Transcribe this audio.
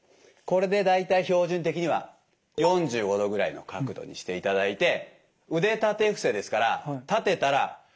これで大体標準的には４５度ぐらいの角度にしていただいて腕立て伏せですから立てたら伏せます。